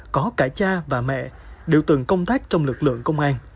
có cả cha và mẹ đều từng công tác trong lực lượng công an